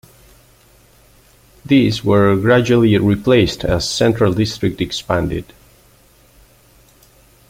These were gradually replaced as Central district expanded.